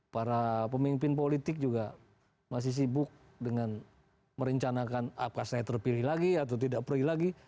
para pemimpin politik juga masih sibuk dengan merencanakan apakah saya terpilih lagi atau tidak pergi lagi